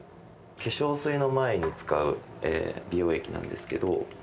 化粧水の前に使う美容液なんですけど。